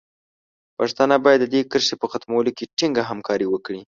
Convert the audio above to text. پښتانه باید د دې کرښې په ختمولو کې ټینګه همکاري وکړي.